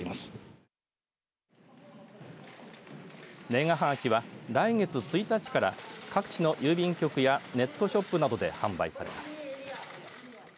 年賀はがきは、来月１日から各地の郵便局やネットショップなどで販売されます。